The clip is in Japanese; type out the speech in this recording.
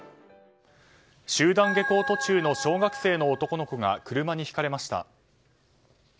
集団下校途中の小学生の男の子が車にひかれました。